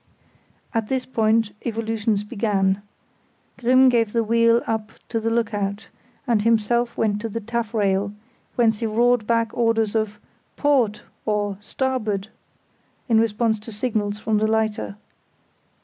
At this point evolutions began. Grimm gave the wheel up to the look out, and himself went to the taffrail, whence he roared back orders of "Port!" or "Starboard!" in response to signals from the lighter.